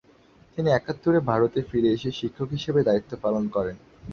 তিনি একাত্তরে ভারতে ফিরে এসে শিক্ষক হিসাবে দায়িত্ব পালন করেন।